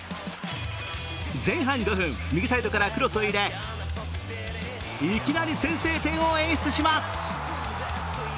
前半５分、右サイドからクロスを入れ、いきなり先制点を演出します。